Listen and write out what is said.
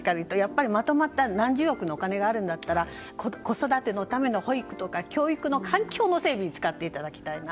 まとまった何十億のお金があるんだったら子育てのための保育とか教育環境の整備に使っていただきたいな。